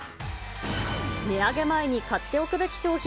値上げ前に買っておくべき商品